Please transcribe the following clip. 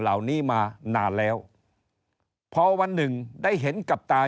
เหล่านี้มานานแล้วพอวันหนึ่งได้เห็นกับตา